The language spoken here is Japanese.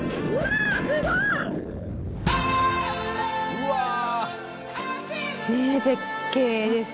うわ！ねぇ絶景です。